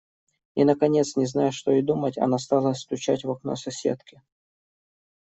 И, наконец, не зная, что и думать, она стала стучать в окно соседке.